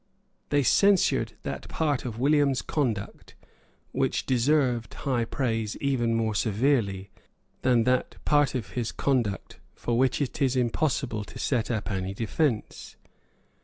They censured that part of William's conduct which deserved high praise even more severely than that part of his conduct for which it is impossible to set up any defence.